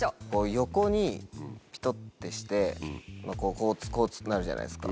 横にピトってしてこうなるじゃないですか。